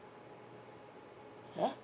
えっ？